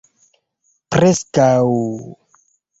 Preskaŭ...